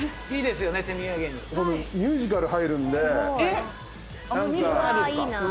僕ミュージカル入るんで。